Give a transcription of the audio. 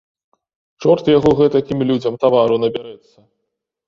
Чорт яго гэтакім людзям тавару набярэцца!